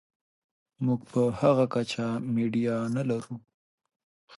موږ په هغه کچه میډیا نلرو.